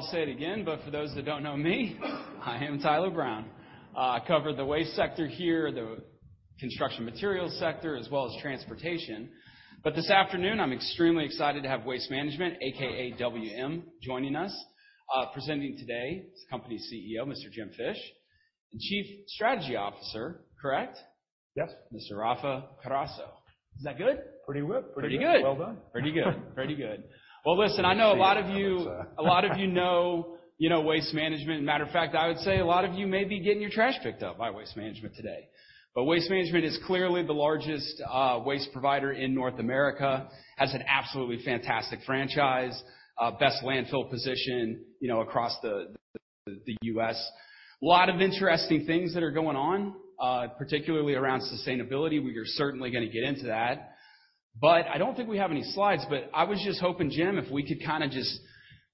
So I'll say it again, but for those that don't know me, I am Tyler Brown. I cover the waste sector here, the construction materials sector, as well as transportation. But this afternoon, I'm extremely excited to have Waste Management, AKA WM, joining us. Presenting today is the company's CEO, Mr. Jim Fish, and Chief Strategy Officer, correct? Yes. Mr. Rafa Carrasco. Is that good? Pretty good. Pretty good. Well done. Pretty good. Pretty good. Well, listen, I know a lot of you- a lot of you know, you know Waste Management. Matter of fact, I would say a lot of you may be getting your trash picked up by Waste Management today. But Waste Management is clearly the largest waste provider in North America, has an absolutely fantastic franchise, best landfill position, you know, across the U.S. A lot of interesting things that are going on, particularly around sustainability. We are certainly gonna get into that, but I don't think we have any slides, but I was just hoping, Jim, if we could kind of just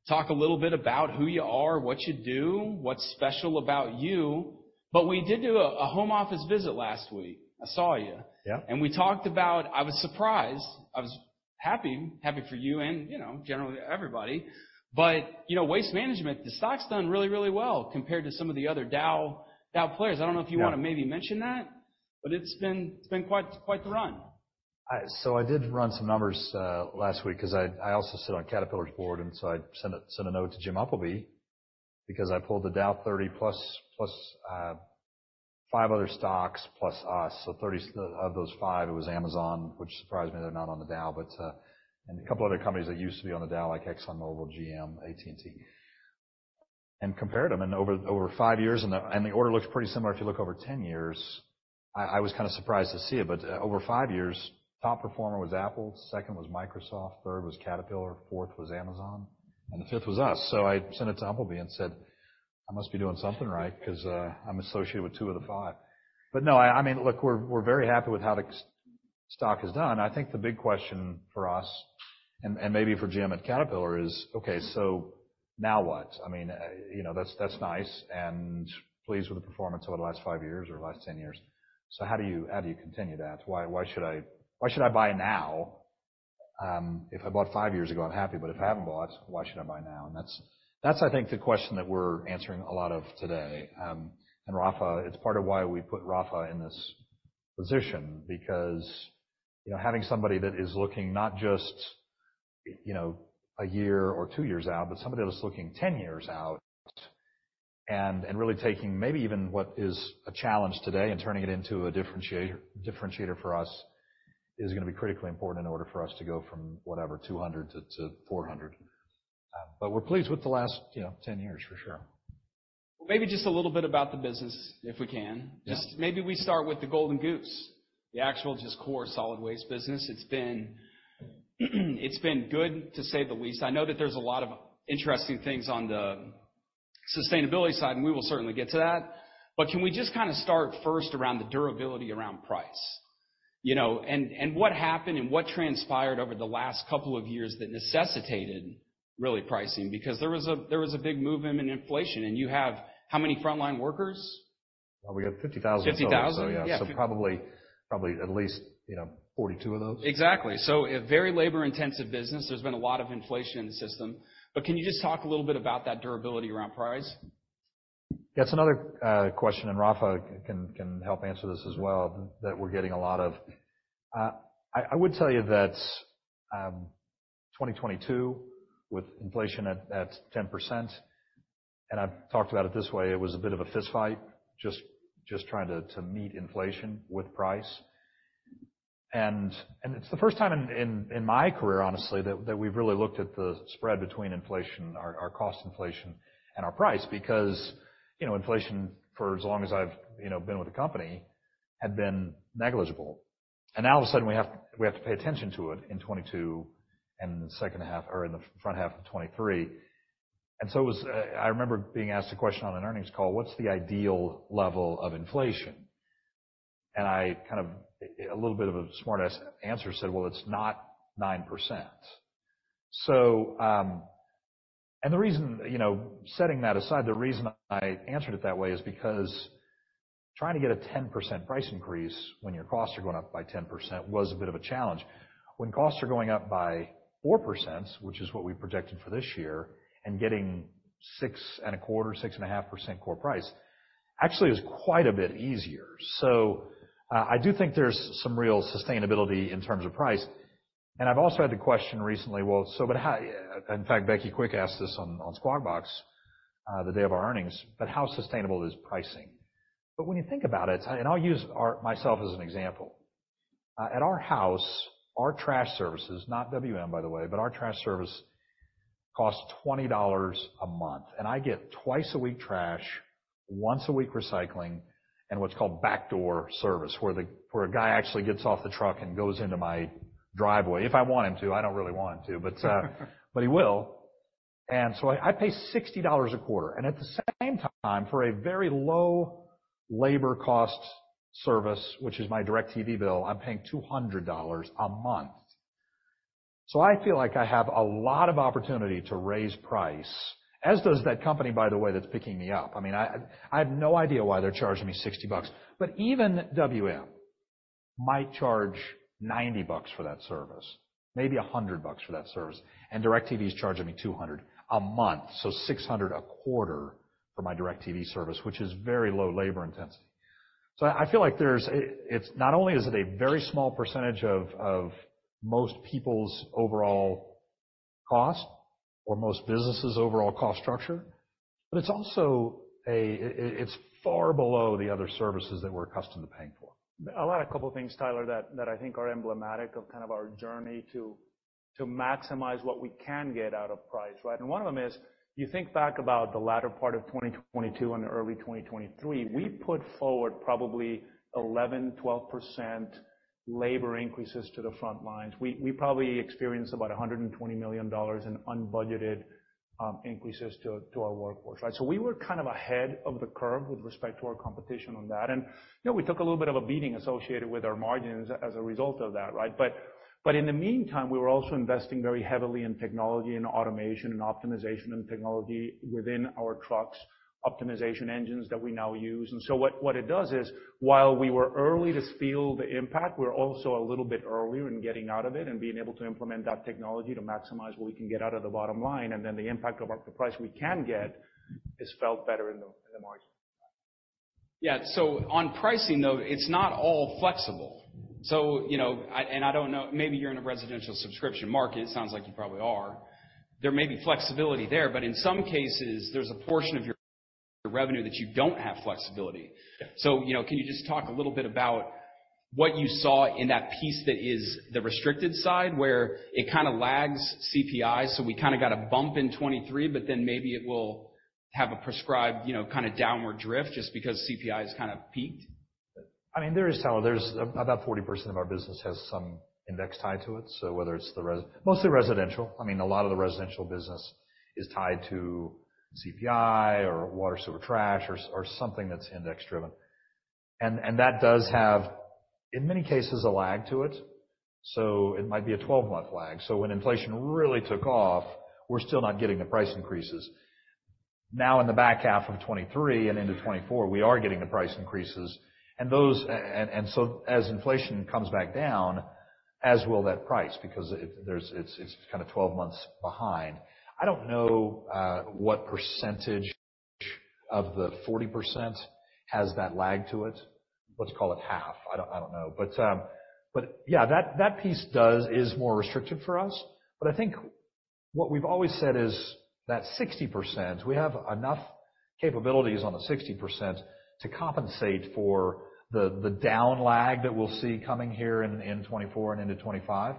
talk a little bit about who you are, what you do, what's special about you. But we did do a home office visit last week. I saw you. Yeah. We talked about... I was surprised. I was happy, happy for you and, you know, generally everybody. But, you know, Waste Management, the stock's done really, really well compared to some of the other Dow, Dow players. Yeah. I don't know if you wanna maybe mention that, but it's been, it's been quite, quite the run. So I did run some numbers last week 'cause I also sit on Caterpillar's board, and so I sent a note to Jim Umpleby because I pulled the Dow 30 plus five other stocks plus us. So of those five, it was Amazon, which surprised me they're not on the Dow, but and a couple other companies that used to be on the Dow, like ExxonMobil, GM, AT&T, and compared them. And over five years, and the order looks pretty similar if you look over 10 years. I was kind of surprised to see it, but over five years, top performer was Apple, second was Microsoft, third was Caterpillar, fourth was Amazon, and the fifth was us. So I sent it to Umpleby and said, "I must be doing something right 'cause, I'm associated with two of the five." But no, I mean, look, we're, we're very happy with how the stock has done. I think the big question for us, and maybe for Jim at Caterpillar, is, okay, so now what? I mean, you know, that's nice and pleased with the performance over the last five years or last 10 years. So how do you, how do you continue that? Why, why should I— Why should I buy now, if I bought five years ago, I'm happy, but if I haven't bought, why should I buy now? And that's, I think, the question that we're answering a lot of today. And Rafa, it's part of why we put Rafa in this position, because, you know, having somebody that is looking not just, you know, a year or two years out, but somebody that's looking 10 years out and really taking maybe even what is a challenge today and turning it into a differentiator, differentiator for us, is gonna be critically important in order for us to go from whatever, 200 to 400. But we're pleased with the last, you know, 10 years, for sure. Maybe just a little bit about the business, if we can. Yeah. Just maybe we start with the golden goose, the actual just core solid waste business. It's been, it's been good, to say the least. I know that there's a lot of interesting things on the sustainability side, and we will certainly get to that. But can we just kind of start first around the durability around price? You know, and, and what happened and what transpired over the last couple of years that necessitated really pricing? Because there was a, there was a big movement in inflation, and you have how many frontline workers? Well, we have 50,000. 50,000? Yeah. So probably, probably at least, you know, 42 of those. Exactly. So a very labor-intensive business. There's been a lot of inflation in the system. But can you just talk a little bit about that durability around price? That's another question, and Rafa can help answer this as well, that we're getting a lot of. I would tell you that 2022, with inflation at 10%, and I've talked about it this way, it was a bit of a fistfight, just trying to meet inflation with price. And it's the first time in my career, honestly, that we've really looked at the spread between inflation, our cost inflation and our price, because, you know, inflation for as long as I've, you know, been with the company, had been negligible. And now, all of a sudden, we have to pay attention to it in 2022 and the second half or in the front half of 2023. And so it was... I remember being asked a question on an earnings call: "What's the ideal level of inflation?" And I kind of, a little bit of a smart-ass answer, said, "Well, it's not 9%." So, and the reason, you know, setting that aside, the reason I answered it that way is because trying to get a 10% price increase when your costs are going up by 10% was a bit of a challenge. When costs are going up by 4%, which is what we projected for this year, and getting 6.25%, 6.5% core price, actually is quite a bit easier. So, I do think there's some real sustainability in terms of price. And I've also had the question recently, well, so but how... In fact, Becky Quick asked this on Squawk Box the day of our earnings, but how sustainable is pricing? But when you think about it, and I'll use myself as an example. At our house, our trash services, not WM, by the way, but our trash service costs $20 a month, and I get twice-a-week trash, once-a-week recycling, and what's called backdoor service, where a guy actually gets off the truck and goes into my driveway, if I want him to. I don't really want him to, but he will. And so I pay $60 a quarter, and at the same time, for a very low labor cost service, which is my DIRECTV bill, I'm paying $200 a month. So I feel like I have a lot of opportunity to raise price, as does that company, by the way, that's picking me up. I mean, I, I have no idea why they're charging me $60, but even WM might charge $90 for that service, maybe $100 for that service, and DIRECTV is charging me $200 a month, so $600 a quarter for my DIRECTV service, which is very low labor intensity. So I feel like there's a, it's not only is it a very small percentage of, of most people's overall cost or most businesses' overall cost structure, but it's also a, it, it's far below the other services that we're accustomed to paying for. I'll add a couple of things, Tyler, that, that I think are emblematic of kind of our journey to, to maximize what we can get out of price, right? And one of them is, you think back about the latter part of 2022 and early 2023, we put forward probably 11%-12% labor increases to the front lines. We, we probably experienced about $120 million in unbudgeted increases to, to our workforce, right? So we were kind of ahead of the curve with respect to our competition on that. And, you know, we took a little bit of a beating associated with our margins as a result of that, right? But, but in the meantime, we were also investing very heavily in technology and automation and optimization and technology within our trucks, optimization engines that we now use. And so what it does is, while we were early to feel the impact, we're also a little bit earlier in getting out of it and being able to implement that technology to maximize what we can get out of the bottom line, and then the impact of the price we can get is felt better in the margin. Yeah. So on pricing, though, it's not all flexible. So, you know, I, and I don't know, maybe you're in a residential subscription market, it sounds like you probably are. There may be flexibility there, but in some cases, there's a portion of your revenue that you don't have flexibility. So, you know, can you just talk a little bit about what you saw in that piece that is the restricted side, where it kind of lags CPI, so we kind of got a bump in 2023, but then maybe it will have a prescribed, you know, kind of downward drift just because CPI has kind of peaked? I mean, there is, Tyler, there's about 40% of our business has some index tied to it. So whether it's mostly residential, I mean, a lot of the residential business is tied to CPI or water, sewer, trash, or something that's index-driven. And that does have, in many cases, a lag to it, so it might be a 12-month lag. So when inflation really took off, we're still not getting the price increases. Now, in the back half of 2023 and into 2024, we are getting the price increases and those, and so as inflation comes back down, as will that price, because it, there's it's, it's kind of 12 months behind. I don't know what percentage of the 40% has that lag to it. Let's call it half. I don't know. But yeah, that piece does—is more restrictive for us. But I think what we've always said is that 60%, we have enough capabilities on the 60% to compensate for the down lag that we'll see coming here in 2024 and into 2025.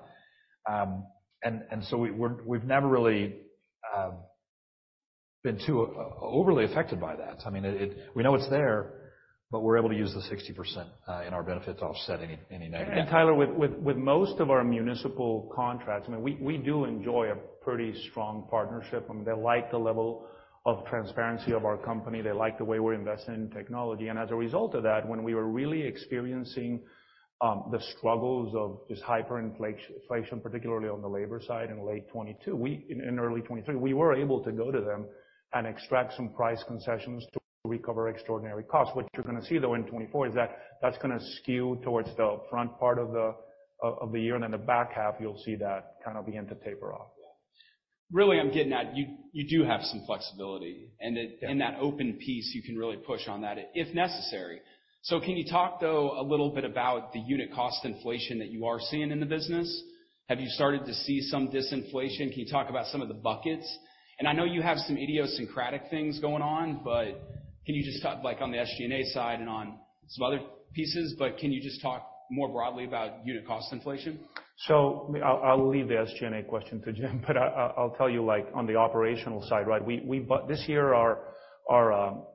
And so we've never really been too overly affected by that. I mean, we know it's there, but we're able to use the 60% in our benefit to offset any negative. And Tyler, with most of our municipal contracts, I mean, we do enjoy a pretty strong partnership, and they like the level of transparency of our company. They like the way we're investing in technology. And as a result of that, when we were really experiencing the struggles of this hyperinflation, particularly on the labor side in late 2022 and early 2023, we were able to go to them and extract some price concessions to recover extraordinary costs. What you're going to see, though, in 2024 is that that's going to skew towards the front part of the year, and in the back half, you'll see that kind of begin to taper off. Really, I'm getting at, you do have some flexibility, and it- Yeah... in that open piece, you can really push on that, if necessary. So can you talk, though, a little bit about the unit cost inflation that you are seeing in the business? Have you started to see some disinflation? Can you talk about some of the buckets? And I know you have some idiosyncratic things going on, but can you just talk, like, on the SG&A side and on some other pieces, but can you just talk more broadly about unit cost inflation? So I'll leave the SG&A question to Jim, but I'll tell you, like, on the operational side, right? We -- but this year, our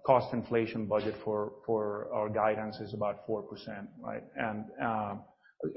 cost inflation budget for our guidance is about 4%, right? And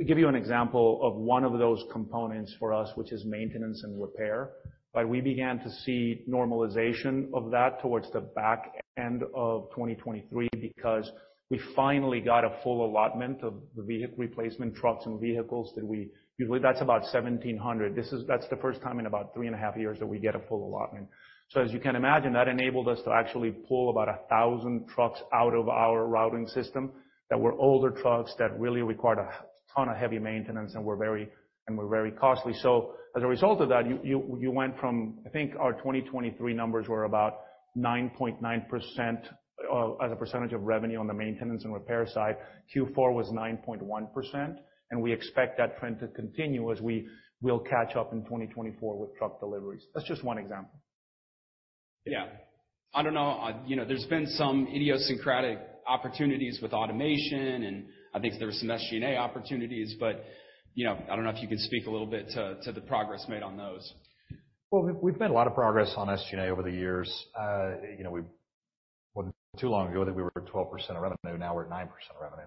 give you an example of one of those components for us, which is maintenance and repair. But we began to see normalization of that towards the back end of 2023 because we finally got a full allotment of the vehicle replacement trucks and vehicles that we -- usually, that's about 1,700. This is -- that's the first time in about three and a half years that we get a full allotment. So as you can imagine, that enabled us to actually pull about 1,000 trucks out of our routing system that were older trucks that really required a ton of heavy maintenance and were very costly. So as a result of that, you went from, I think our 2023 numbers were about 9.9% as a percentage of revenue on the maintenance and repair side. Q4 was 9.1%, and we expect that trend to continue as we will catch up in 2024 with truck deliveries. That's just one example. Yeah. I don't know, you know, there's been some idiosyncratic opportunities with automation, and I think there were some SG&A opportunities, but, you know, I don't know if you can speak a little bit to the progress made on those. Well, we've made a lot of progress on SG&A over the years. You know, well, not too long ago that we were at 12% of revenue, now we're at 9% of revenue.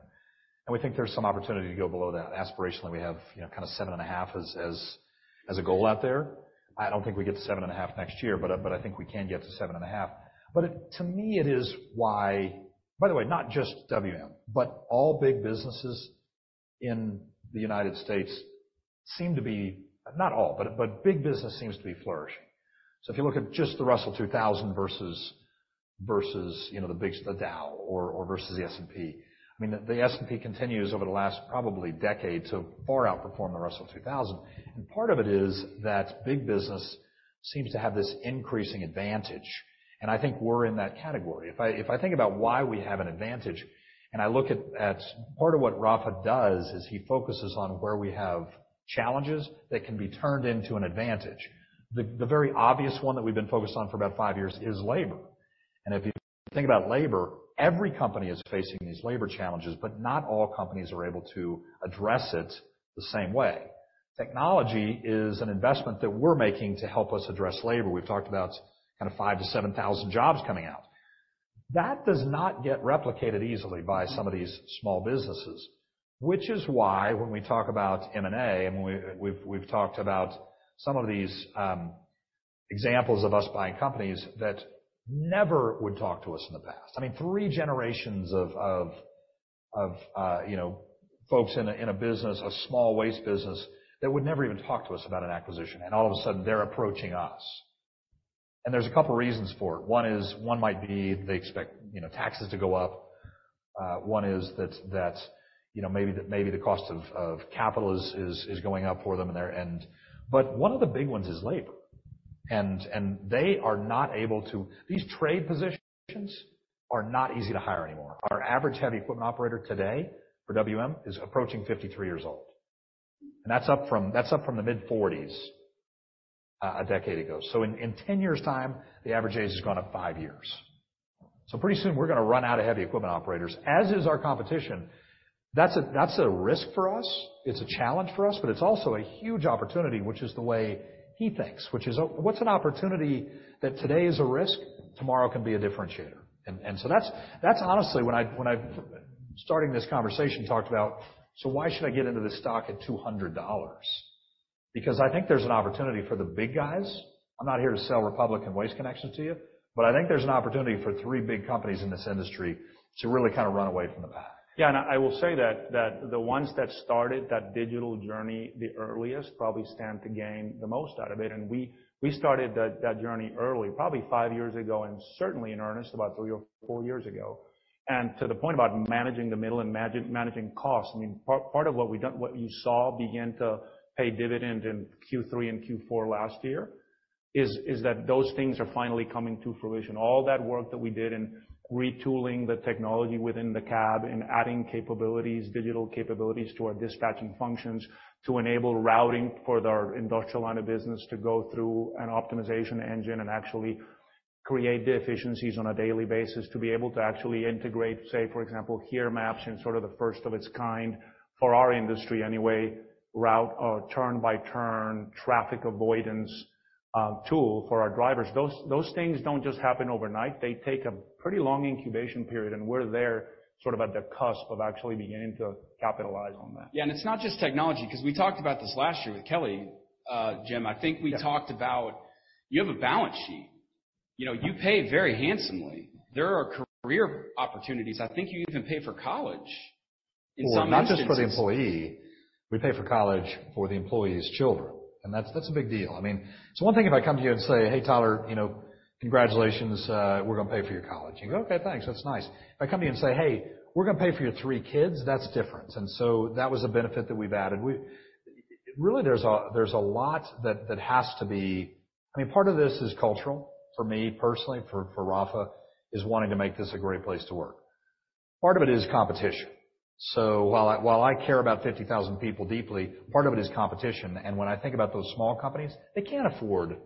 And we think there's some opportunity to go below that. Aspirationally, we have, you know, kind of 7.5% as a goal out there. I don't think we get to 7.5% next year, but but I think we can get to 7.5%. But it—to me, it is why... By the way, not just WM, but all big businesses in the United States seem to be, not all, but big business seems to be flourishing. So if you look at just the Russell 2000 versus, you know, the big, the Dow or versus the S&P, I mean, the S&P continues over the last probably decade to far outperform the Russell 2000. And part of it is that big business seems to have this increasing advantage, and I think we're in that category. If I think about why we have an advantage, and I look at part of what Rafa does, is he focuses on where we have challenges that can be turned into an advantage. The very obvious one that we've been focused on for about 5 years is labor. And if you think about labor, every company is facing these labor challenges, but not all companies are able to address it the same way. Technology is an investment that we're making to help us address labor. We've talked about kind of 5,000-7,000 jobs coming out. That does not get replicated easily by some of these small businesses, which is why when we talk about M&A, and we've talked about some of these examples of us buying companies that never would talk to us in the past. I mean, three generations of folks in a business, a small waste business, that would never even talk to us about an acquisition, and all of a sudden, they're approaching us. And there's a couple reasons for it. One is, one might be they expect, you know, taxes to go up. One is that, you know, maybe the cost of capital is going up for them and their... But one of the big ones is labor, and they are not able to. These trade positions are not easy to hire anymore. Our average heavy equipment operator today for WM is approaching 53 years old, and that's up from the mid-40s a decade ago. So in 10 years' time, the average age has gone up five years. So pretty soon, we're gonna run out of heavy equipment operators, as is our competition. That's a risk for us. It's a challenge for us, but it's also a huge opportunity, which is the way he thinks, which is, oh, what's an opportunity that today is a risk, tomorrow can be a differentiator? And so that's honestly when I starting this conversation talked about, so why should I get into this stock at $200? Because I think there's an opportunity for the big guys. I'm not here to sell Republic and Waste Connections to you, but I think there's an opportunity for three big companies in this industry to really kind of run away from the pack. Yeah, and I will say that the ones that started that digital journey the earliest probably stand to gain the most out of it, and we started that journey early, probably five years ago, and certainly in earnest, about three or four years ago. And to the point about managing the middle and managing costs, I mean, part of what we've done, what you saw begin to pay dividend in Q3 and Q4 last year is that those things are finally coming to fruition. All that work that we did in retooling the technology within the cab and adding capabilities, digital capabilities to our dispatching functions, to enable routing for our industrial line of business to go through an optimization engine and actually create the efficiencies on a daily basis to be able to actually integrate, say, for example, HERE Maps in sort of the first of its kind for our industry anyway, route, turn-by-turn, traffic avoidance, tool for our drivers. Those, those things don't just happen overnight. They take a pretty long incubation period, and we're there, sort of at the cusp of actually beginning to capitalize on that. Yeah, and it's not just technology, 'cause we talked about this last year with Kelly, Jim. Yeah. I think we talked about you have a balance sheet. You know, you pay very handsomely. There are career opportunities. I think you even pay for college in some instances. Well, not just for the employee. We pay for college for the employee's children, and that's a big deal. I mean, it's one thing if I come to you and say, "Hey, Tyler, you know, congratulations, we're gonna pay for your college." You go, "Okay, thanks. That's nice." If I come to you and say, "Hey, we're gonna pay for your three kids," that's different. And so that was a benefit that we've added. We really, there's a lot that has to be. I mean, part of this is cultural for me, personally, for Rafa, is wanting to make this a great place to work. Part of it is competition. So while I care about 50,000 people deeply, part of it is competition. When I think about those small companies, they can't afford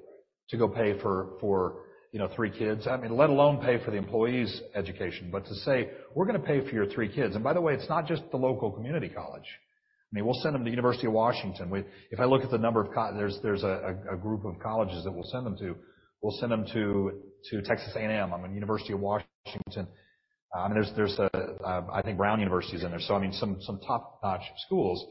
to go pay for you know three kids. I mean, let alone pay for the employee's education. But to say, "We're gonna pay for your three kids," and by the way, it's not just the local community college. I mean, we'll send them to the University of Washington. If I look at the number of. There's a group of colleges that we'll send them to. We'll send them to Texas A&M, University of Washington. I mean, there's, I think Brown University is in there. So I mean, some top-notch schools,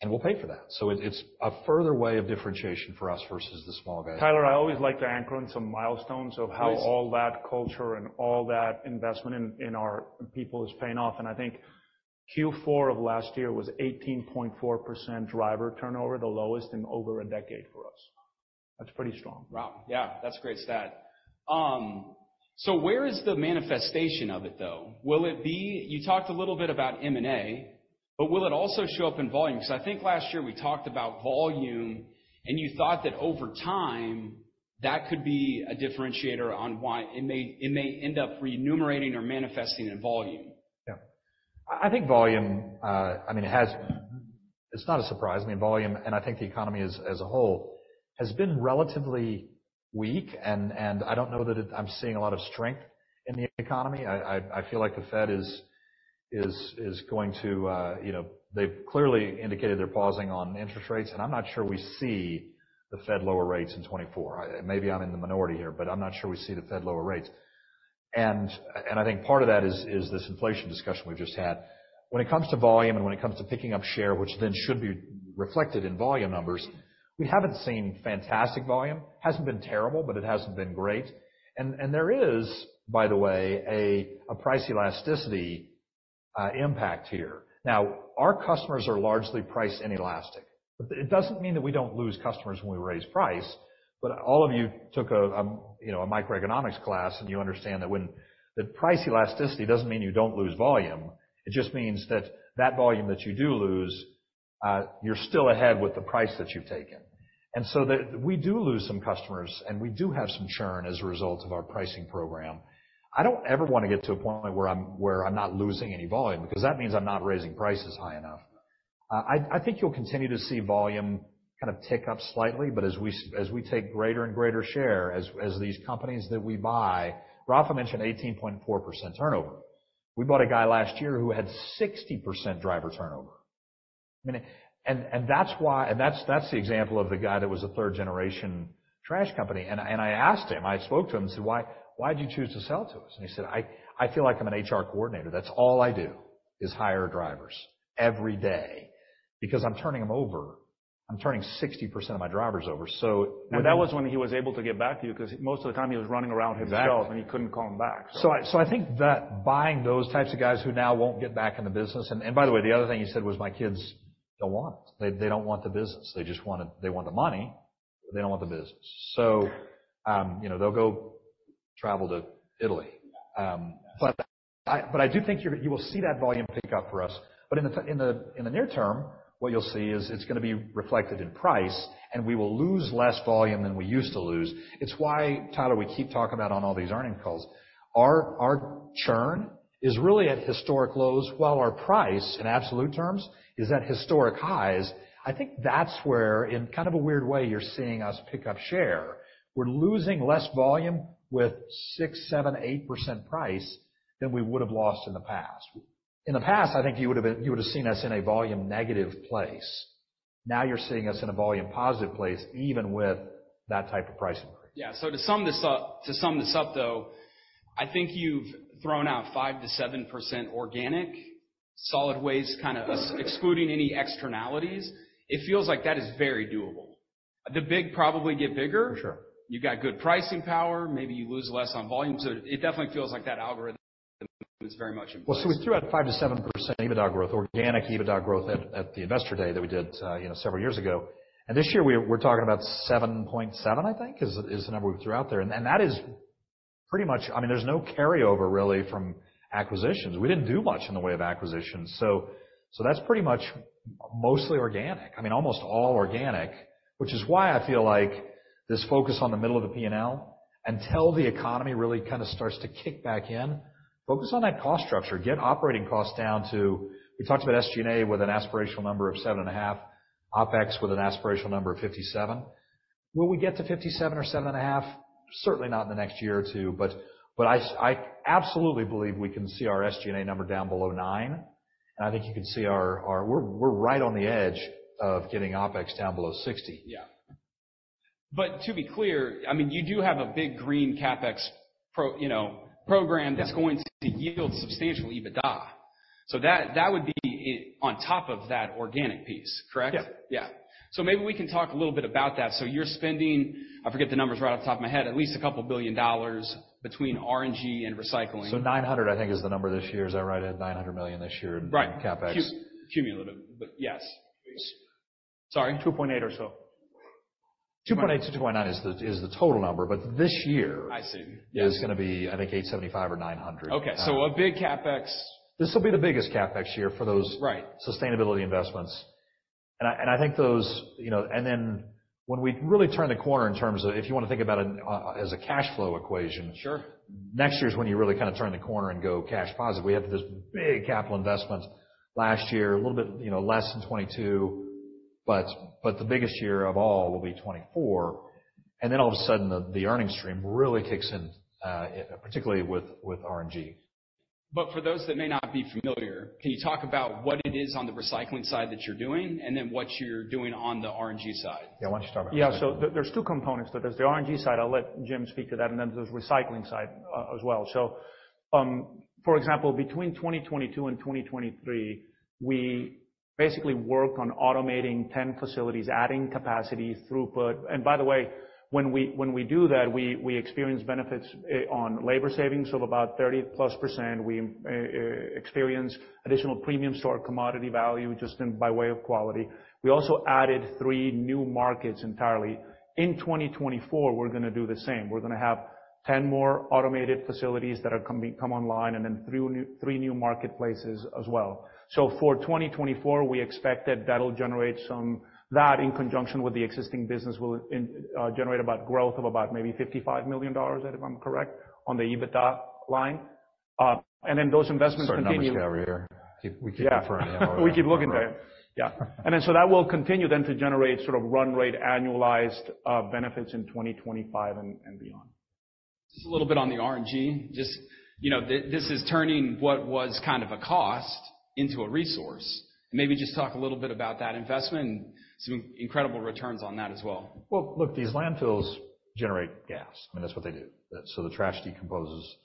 and we'll pay for that. So it's a further way of differentiation for us versus the small guys. Tyler, I always like to anchor on some milestones- Please. of how all that culture and all that investment in our people is paying off, and I think Q4 of last year was 18.4% driver turnover, the lowest in over a decade for us. That's pretty strong. Wow! Yeah, that's a great stat. So where is the manifestation of it, though? Will it be... You talked a little bit about M&A, but will it also show up in volume? Because I think last year we talked about volume, and you thought that over time, that could be a differentiator on why it may, it may end up remunerating or manifesting in volume. Yeah. I think volume, I mean, it has. It's not a surprise. I mean, volume, and I think the economy as a whole has been relatively weak, and I don't know that I'm seeing a lot of strength in the economy. I feel like the Fed is going to, you know, they've clearly indicated they're pausing on interest rates, and I'm not sure we see the Fed lower rates in 2024. Maybe I'm in the minority here, but I'm not sure we see the Fed lower rates. And I think part of that is this inflation discussion we've just had. When it comes to volume and when it comes to picking up share, which then should be reflected in volume numbers, we haven't seen fantastic volume. Hasn't been terrible, but it hasn't been great. And there is, by the way, a price elasticity impact here. Now, our customers are largely price inelastic. It doesn't mean that we don't lose customers when we raise price, but all of you took you know a microeconomics class, and you understand that when the price elasticity doesn't mean you don't lose volume, it just means that volume that you do lose, you're still ahead with the price that you've taken. And so we do lose some customers, and we do have some churn as a result of our pricing program. I don't ever want to get to a point where I'm not losing any volume, because that means I'm not raising prices high enough. I think you'll continue to see volume kind of tick up slightly, but as we take greater and greater share, as these companies that we buy... Rafa mentioned 18.4% turnover. We bought a guy last year who had 60% driver turnover. I mean, and that's why, and that's the example of the guy that was a third-generation trash company. And I asked him, I spoke to him and said: "Why, why'd you choose to sell to us?" And he said, "I feel like I'm an HR coordinator. That's all I do, is hire drivers every day because I'm turning them over. I'm turning 60% of my drivers over." So- That was when he was able to get back to you, because most of the time, he was running around his shelves- Exactly. and he couldn't call them back, so. So I think that buying those types of guys who now won't get back in the business... And by the way, the other thing he said was, "My kids don't want it. They don't want the business. They just want the money, but they don't want the business." So, you know, they'll go travel to Italy. But I do think you will see that volume pick up for us. But in the near term, what you'll see is it's going to be reflected in price, and we will lose less volume than we used to lose. It's why, Tyler, we keep talking about on all these earnings calls, our churn is really at historic lows, while our price, in absolute terms, is at historic highs. I think that's where, in kind of a weird way, you're seeing us pick up share. We're losing less volume with 6%, 7%, 8% price than we would have lost in the past. In the past, I think you would have seen us in a volume negative place. Now, you're seeing us in a volume positive place, even with that type of pricing increase. Yeah. So to sum this up, to sum this up, though, I think you've thrown out 5%-7% organic, solid waste, kind of, excluding any externalities. It feels like that is very doable. The big probably get bigger. For sure. You've got good pricing power. Maybe you lose less on volume, so it definitely feels like that algorithm is very much in place. Well, so we threw out 5%-7% EBITDA growth, organic EBITDA growth at the Investor Day that we did, you know, several years ago. And this year, we're talking about 7.7%, I think, is the number we threw out there. And that is pretty much... I mean, there's no carryover, really, from acquisitions. We didn't do much in the way of acquisitions, so that's pretty much mostly organic. I mean, almost all organic, which is why I feel like this focus on the middle of the P&L, until the economy really kind of starts to kick back in, focus on that cost structure, get operating costs down to... We talked about SG&A with an aspirational number of 7.5%, OpEx with an aspirational number of 57. Will we get to 57 or 7.5%? Certainly not in the next year or two, but I absolutely believe we can see our SG&A number down below 9, and I think you can see our. We're right on the edge of getting OpEx down below 60. Yeah. But to be clear, I mean, you do have a big green CapEx program, you know. Yeah That's going to yield substantial EBITDA. So that, that would be it on top of that organic piece, correct? Yep. Yeah. So maybe we can talk a little bit about that. So you're spending... I forget the numbers right off the top of my head, at least $2 billion between RNG and recycling. So 900, I think, is the number this year. Is that right, Ed? $900 million this year in- Right -CapEx. Cumulative, but yes. 2.8. Sorry? 2.8 or so. 2.8-2.9 is the total number, but this year- I see. is going to be, I think, $875-$900. Okay, so a big CapEx. This will be the biggest CapEx year for those- Right sustainability investments. And I, and I think those, you know... And then when we really turn the corner in terms of, if you want to think about it, as a cash flow equation- Sure... next year is when you really kind of turn the corner and go cash positive. We had these big capital investments last year, a little bit, you know, less than $22, but the biggest year of all will be 2024. And then, all of a sudden, the earnings stream really kicks in, particularly with RNG. For those that may not be familiar, can you talk about what it is on the recycling side that you're doing, and then what you're doing on the RNG side? Yeah, why don't you start? Yeah. So there, there's two components to this. The RNG side, I'll let Jim speak to that, and then there's recycling side, as well. So, for example, between 2022 and 2023, we basically worked on automating 10 facilities, adding capacity, throughput. And by the way, when we do that, we experience benefits on labor savings of about 30%+. We experience additional premiums to our commodity value, just in by way of quality. We also added 3 new markets entirely. In 2024, we're going to do the same. We're going to have 10 more automated facilities that are come online, and then three new marketplaces as well. So for 2024, we expect that that'll generate some... That, in conjunction with the existing business, will generate about growth of about maybe $55 million, if I'm correct, on the EBITDA line. And then those investments continue- Sorry, numbers guy over here. Yeah. We keep looking for it. We keep looking for it. Yeah. And then, so that will continue then to generate sort of run rate annualized benefits in 2025 and, and beyond. Just a little bit on the RNG. Just, you know, this, this is turning what was kind of a cost into a resource. Maybe just talk a little bit about that investment and some incredible returns on that as well. Well, look, these landfills generate gas. I mean, that's what they do. So the trash decomposes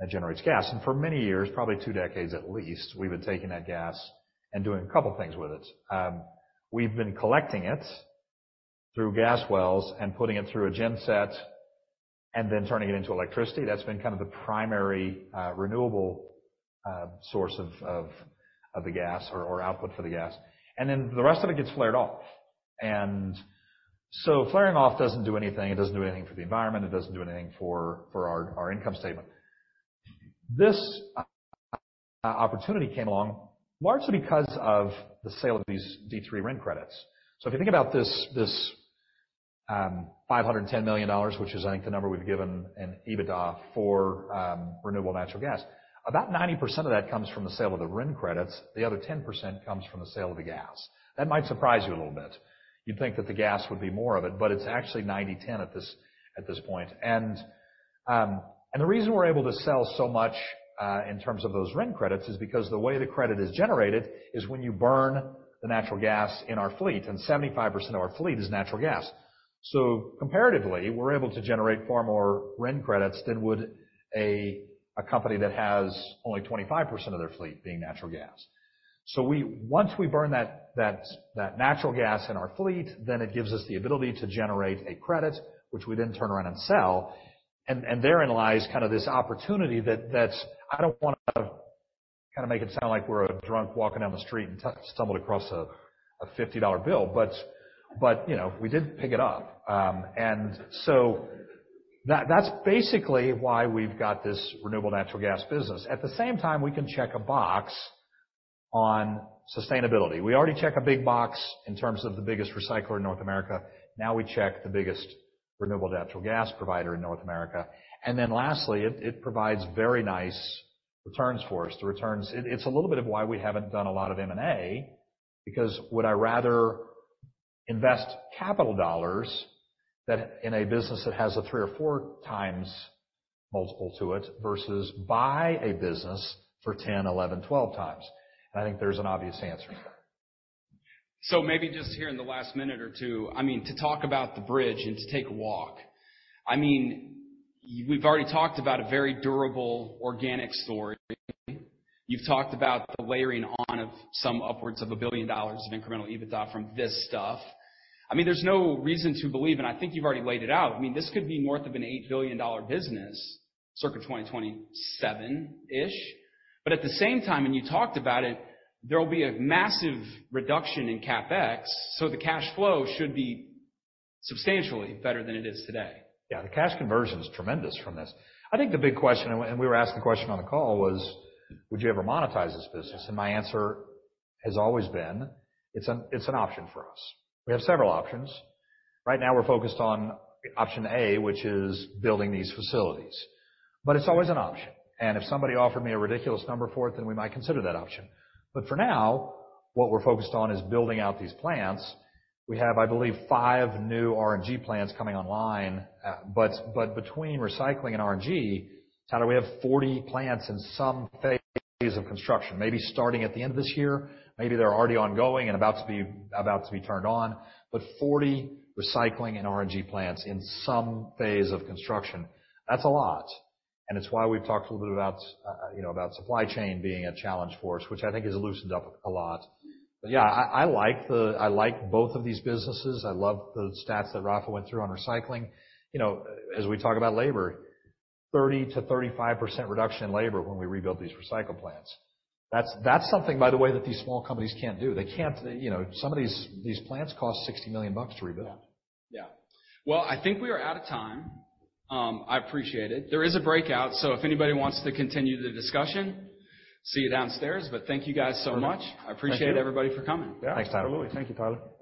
and generates gas. And for many years, probably two decades at least, we've been taking that gas and doing a couple things with it. We've been collecting it through gas wells and putting it through a genset and then turning it into electricity. That's been kind of the primary renewable source of the gas or output for the gas. And then the rest of it gets flared off. And so flaring off doesn't do anything. It doesn't do anything for the environment. It doesn't do anything for our income statement. This opportunity came along largely because of the sale of these D3 RIN credits. So if you think about this, this, $510 million, which is, I think, the number we've given in EBITDA for renewable natural gas, about 90% of that comes from the sale of the RIN credits. The other 10% comes from the sale of the gas. That might surprise you a little bit. You'd think that the gas would be more of it, but it's actually 90%-10% at this point. And the reason we're able to sell so much in terms of those RIN credits is because the way the credit is generated is when you burn the natural gas in our fleet, and 75% of our fleet is natural gas. So comparatively, we're able to generate far more RIN credits than would a company that has only 25% of their fleet being natural gas. So once we burn that natural gas in our fleet, then it gives us the ability to generate a credit, which we then turn around and sell. And therein lies kind of this opportunity that's. I don't wanna kind of make it sound like we're a drunk walking down the street and stumbled across a $50 bill. But you know, we did pick it up. And so that's basically why we've got this renewable natural gas business. At the same time, we can check a box on sustainability. We already check a big box in terms of the biggest recycler in North America. Now, we check the biggest renewable natural gas provider in North America. And then lastly, it provides very nice returns for us. It, it's a little bit of why we haven't done a lot of M&A, because would I rather invest capital dollars that, in a business that has a 3x or 4x multiple to it, versus buy a business for 10x, 11x, 12x? I think there's an obvious answer to that. So maybe just here in the last minute or two, I mean, to talk about the bridge and to take a walk. I mean, you- we've already talked about a very durable organic story. You've talked about the layering on of some upwards of $1 billion of incremental EBITDA from this stuff. I mean, there's no reason to believe, and I think you've already laid it out, I mean, this could be north of an $8 billion business, circa 2027-ish. But at the same time, and you talked about it, there will be a massive reduction in CapEx, so the cash flow should be substantially better than it is today. Yeah, the cash conversion is tremendous from this. I think the big question, and we were asked the question on the call, was: Would you ever monetize this business? And my answer has always been, it's an option for us. We have several options. Right now, we're focused on option A, which is building these facilities, but it's always an option, and if somebody offered me a ridiculous number for it, then we might consider that option. But for now, what we're focused on is building out these plants. We have, I believe, 5 new RNG plants coming online. But between recycling and RNG, Tyler, we have 40 plants in some phase of construction, maybe starting at the end of this year, maybe they're already ongoing and about to be turned on. But 40 recycling and RNG plants in some phase of construction, that's a lot, and it's why we've talked a little bit about, you know, about supply chain being a challenge for us, which I think has loosened up a lot. But, yeah, I like—I like both of these businesses. I love the stats that Rafa went through on recycling. You know, as we talk about labor, 30%-35% reduction in labor when we rebuild these recycling plants. That's, that's something, by the way, that these small companies can't do. They can't. You know, some of these, these plants cost $60 million to rebuild. Yeah. Well, I think we are out of time. I appreciate it. There is a breakout, so if anybody wants to continue the discussion, see you downstairs. But thank you, guys, so much. Thank you. I appreciate everybody for coming. Yeah. Thanks, Tyler. Absolutely. Thank you, Tyler.